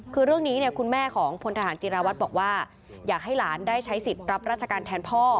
คือเรื่องนี้เนี่ยคุณแม่ของพลทหารจิราวัตรบอกว่าอยากให้หลานได้ใช้สิทธิ์รับราชการแทนพ่อ